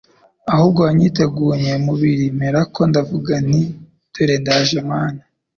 ahubwo wanyitegunye umubiri, mperako ndavuga nti: Dore ndaje Mana.